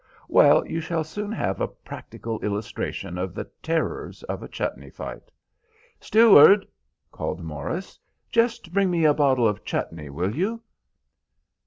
Well, you shall soon have a practical illustration of the terrors of a chutney fight. Steward," called Morris, "just bring me a bottle of chutney, will you?"